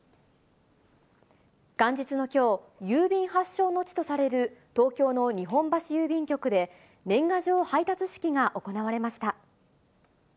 元日のきょう、郵便発祥の地とされる東京の日本橋郵便局で年賀状配達式が行われました。